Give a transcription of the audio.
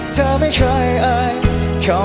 เธอไม่เคยอาย